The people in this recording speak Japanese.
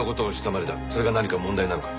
それが何か問題なのか？